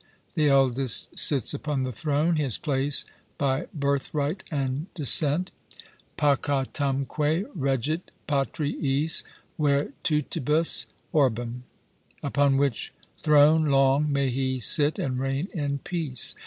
The eldest sits upon the throne, his place by birthright and descent, "Pacatumque regit Patriis virtutibus orbem;" upon which throne long may he sit, and reign in peace.